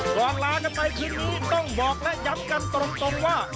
ว่าลากันไปชิ้นนี้ต้องบอกและย้ำกันตรงว่า